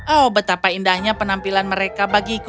oh betapa indahnya penampilan mereka bagiku